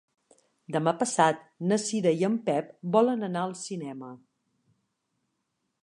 Demà passat na Cira i en Pep volen anar al cinema.